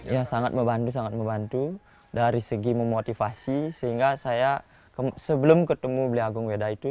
ya sangat membantu sangat membantu dari segi memotivasi sehingga saya sebelum ketemu belia gung weda itu